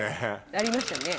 ありましたね。